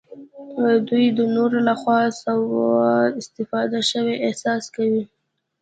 دوی د نورو لخوا سوء استفاده شوي احساس کوي.